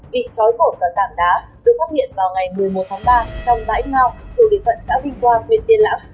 bị trói cổ và tạm đá được phát hiện vào ngày một mươi một ba trong vãi ngào thuộc địa phận xã vinh hoa nguyễn thiên lãm